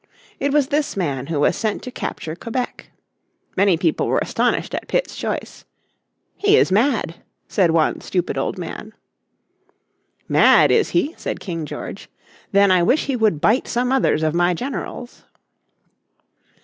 It was this man who was sent to capture Quebec. Many people were astonished at Pitt's choice. "He is mad," said one stupid old man. "Mad is he?" said King George. "Then I wish he would bite some others of my generals."